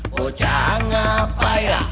bukannya pa' ya